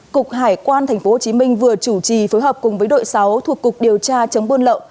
cục hải quan tp hcm vừa chủ trì phối hợp cùng với đội sáu thuộc cục điều tra chống buôn lậu